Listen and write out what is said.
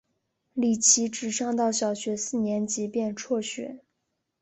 李琦只上到小学四年级便辍学。